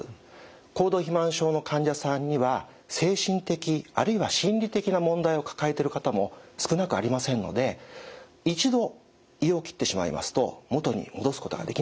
高度肥満症の患者さんには精神的あるいは心理的な問題を抱えている方も少なくありませんので一度胃を切ってしまいますと元に戻すことができませんよね。